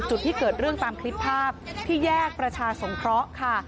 จุดที่เกิดเรื่องตามคลิปภาพที่แยกประชาสงเคราะห์ค่ะ